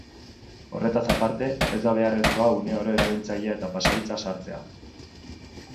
Horretaz aparte, ez da beharrezkoa uneoro erabiltzailea eta pasahitza sartzea.